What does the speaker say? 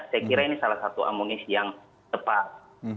saya kira ini salah satu amunisi yang tepat